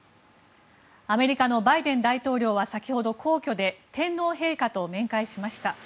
アメリカのバイデン大統領は先ほど皇居で天皇陛下と面会しました。